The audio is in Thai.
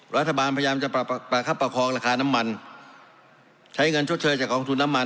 รัฐบาลพยายามจะประคับประคองราคาน้ำมันใช้เงินชดเชยจากกองทุนน้ำมัน